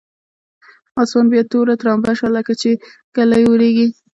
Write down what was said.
اسمان بیا توره ترامبه شو لکچې ږلۍ اورېږي.